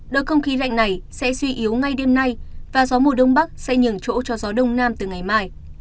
đợt không khí lạnh này sẽ suy yếu ngay đêm nay và gió mùa đông bắc sẽ nhường chỗ cho gió đông nam từ ngày mai